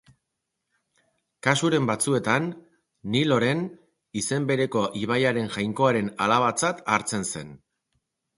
Kasuren batzuetan, Niloren, izen bereko ibaiaren jainkoaren alabatzat hartzen zen.